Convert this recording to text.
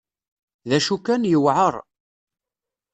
D acu kan, yewɛer.